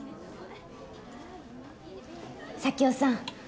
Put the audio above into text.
佐京さん